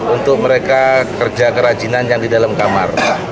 untuk mereka kerja kerajinan yang di dalam kamar